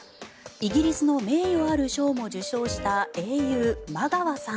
イギリスの名誉ある賞も受賞した英雄、マガワさん。